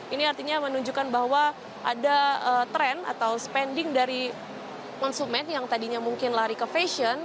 ini artinya menunjukkan bahwa ada tren atau spending dari konsumen yang tadinya mungkin lari ke fashion